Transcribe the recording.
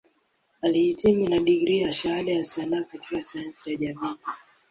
Alihitimu na digrii ya Shahada ya Sanaa katika Sayansi ya Jamii.